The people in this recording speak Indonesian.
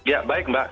ya baik mbak